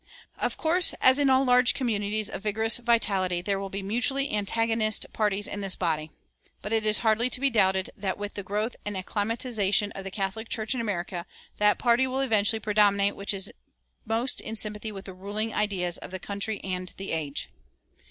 [396:1] Of course, as in all large communities of vigorous vitality, there will be mutually antagonist parties in this body; but it is hardly to be doubted that with the growth and acclimatization of the Catholic Church in America that party will eventually predominate which is most in sympathy with the ruling ideas of the country and the age.